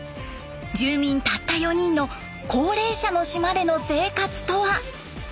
住民たった４人の高齢者の島での生活とは？